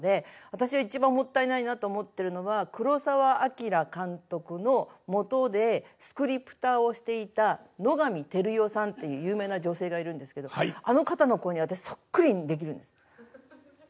私が一番もったいないなと思ってるのは黒澤明監督のもとでスクリプターをしていた野上照代さんっていう有名な女性がいるんですけどあの方の声に私そっくりにできるんです。